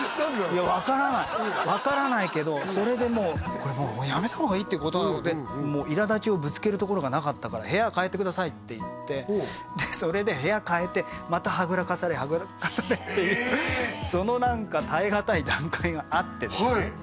分からないけどそれでもうやめたほうがいいってことなの？でいら立ちをぶつけるところがなかったから「部屋かえてください」って言ってそれで部屋かえてまたはぐらかされはぐらかされその何か耐えがたい段階があってですね